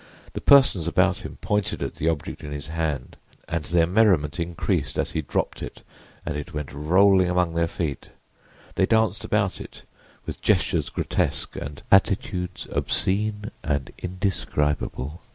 The persons about him pointed at the object in his hand and their merriment increased as he dropped it and it went rolling among their feet. They danced about it with gestures grotesque and attitudes obscene and indescribable.